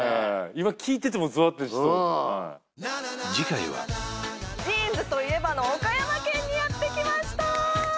今聞いててもゾワッてしてるはいうん次回はジーンズといえばの岡山県にやってきました！